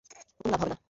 কোনো লাভ হবে না।